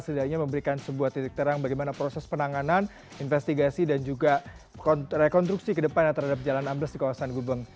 setidaknya memberikan sebuah titik terang bagaimana proses penanganan investigasi dan juga rekonstruksi ke depannya terhadap jalan ambles di kawasan gubeng